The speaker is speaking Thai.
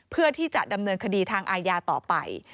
เพื่อที่จะดำเนินคดีทางอาญาต่อไป